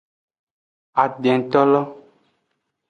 Adintolo.